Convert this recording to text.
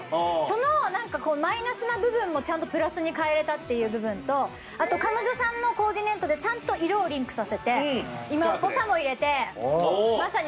そのマイナスな部分もちゃんとプラスに変えれたって部分と彼女さんのコーディネートで色をリンクさせて今っぽさも入れて。